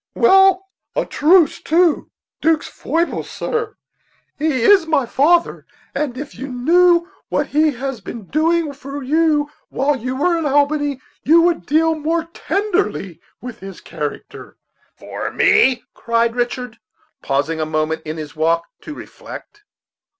"Well, a truce to 'Duke's foibles, sir; he is my father, and if you knew what he has been doing for you while we were in Albany, you would deal more tenderly with his character." "For me!" cried Richard, pausing a moment in his walk to reflect.